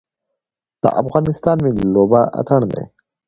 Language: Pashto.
د افغانستان ملي لوبه اتن دی